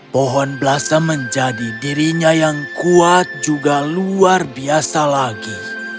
pohon blasem menjadi dirinya yang kuat juga luar biasa lagi